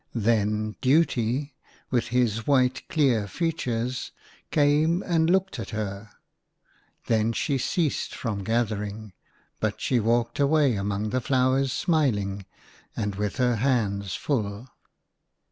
Then Duty, with his white clear features, came and looked at her. Then she ceased from gathering, but she walked away among the flowers, smiling, and with her hands full.